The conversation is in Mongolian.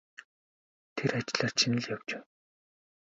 Тэр ажлаар чинь л явж байна.